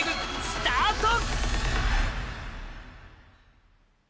スタート！